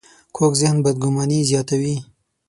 کوږ ذهن بدګماني زیاتوي